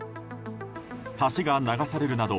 橋が流されるなど